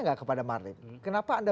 enggak kepada marlin kenapa anda